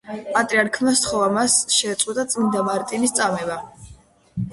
პატრიარქმა სთხოვა მას, შეეწყვიტა წმინდა მარტინის წამება.